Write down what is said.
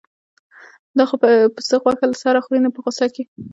دا خو پسه غوښه له سره خوري نه په غوسه کې.